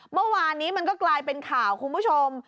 เมื่อวานนี้มันก็กลายเป็นข่าวคุณผู้ชม